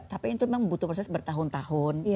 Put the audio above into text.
tapi itu memang butuh proses bertahun tahun